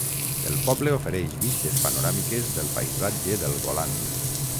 El poble ofereix vistes panoràmiques del paisatge del Golan.